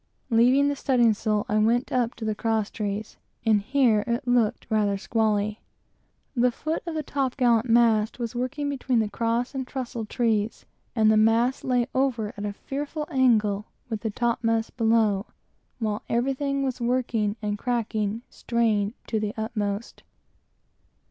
Leaving the studding sail, I went up to the cross trees; and here it looked rather squally. The foot of the top gallant mast was working between the cross and trussel trees, and the royal mast lay over at a fearful angle with the mast below, while everything was working, and cracking, strained to the utmost.